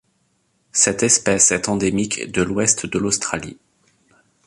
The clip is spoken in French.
Cette espèce est endémique de l'Ouest de l'Australie.